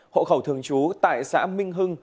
hộ khẩu thường chú tại xã minh hưng